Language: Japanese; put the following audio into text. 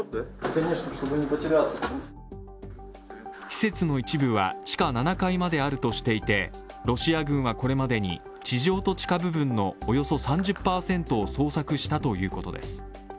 施設の一部は地下７階まであるとしていて、ロシア軍はこれまでに地上と地下部分のおよそ３０％を捜索したということです。